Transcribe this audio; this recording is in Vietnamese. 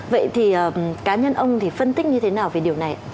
vậy thì cá nhân ông thì phân tích như thế nào về điều này